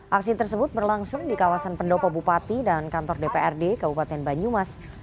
aksi tersebut berlangsung di kawasan pendopo bupati dan kantor dprd kabupaten banyumas